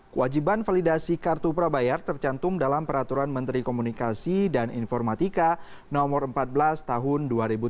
kewajiban validasi kartu prabayar tercantum dalam peraturan menteri komunikasi dan informatika no empat belas tahun dua ribu tujuh belas